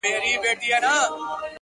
زما ياران اوس په دې شكل سـوله!